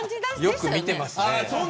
よく見てますね。